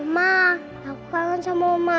ma aku kangen sama ma